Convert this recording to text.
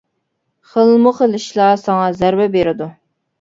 خىلمۇ خىل ئىشلار ساڭا زەربە بېرىدۇ.